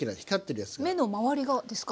目の周りがですか？